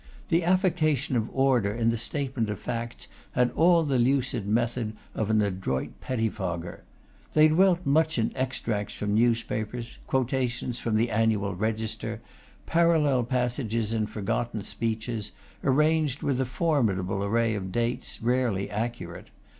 The affectation of order in the statement of facts had all the lucid method of an adroit pettifogger. They dealt much in extracts from newspapers, quotations from the Annual Register, parallel passages in forgotten speeches, arranged with a formidable array of dates rarely accurate.